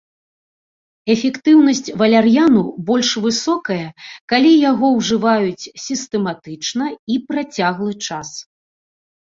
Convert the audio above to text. Эфектыўнасць валяр'яну больш высокая, калі яго ўжываюць сістэматычна і працяглы час.